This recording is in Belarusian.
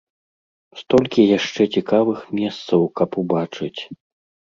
Столькі яшчэ цікавых месцаў, каб убачыць!